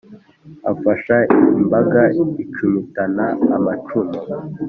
afasha imbaga icumitana amacumu